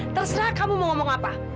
terserah kamu mau ngomong apa